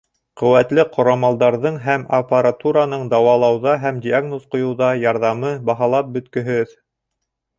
Ҡеүәтле ҡорамалдарҙың һәм аппаратураның дауалауҙа һәм диагноз ҡуйыуҙа ярҙамы баһалап бөткөһөҙ.